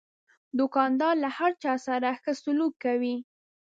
دوکاندار له هر چا سره ښه سلوک کوي.